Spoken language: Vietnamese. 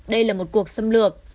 đây là một cuộc sống